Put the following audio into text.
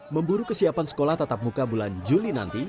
memburu kesiapan sekolah tatap muka bulan juli nanti